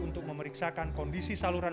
untuk memeriksakan kondisi saluran